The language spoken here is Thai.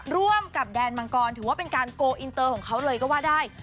ร่วมกับแดนมังกรถือว่าเป็นการโกลอินเตอร์ของเขาเลยก็ว่าได้